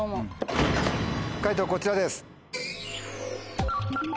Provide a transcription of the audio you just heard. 解答こちらです。